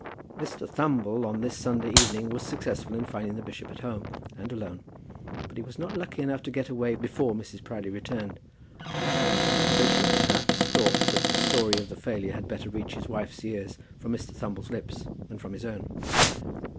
Mr. Thumble, on this Sunday evening, was successful in finding the bishop at home, and alone, but he was not lucky enough to get away before Mrs. Proudie returned. The bishop, perhaps, thought that the story of the failure had better reach his wife's ears from Mr. Thumble's lips than from his own.